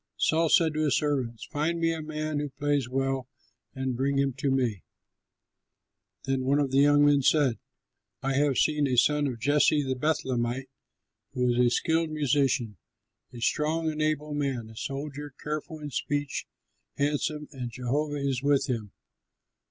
Saul said to his servants, "Find me a man who plays well, and bring him to me." Then one of the young men said, "I have seen a son of Jesse the Bethlehemite who is a skilled musician, a strong and able man, a soldier, careful in speech, handsome, and Jehovah is with him."